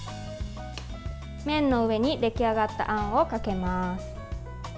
麺の上に、出来上がったあんをかけます。